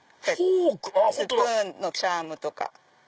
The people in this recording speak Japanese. ⁉スプーンのチャームとか。